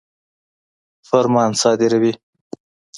فرمان صادروي.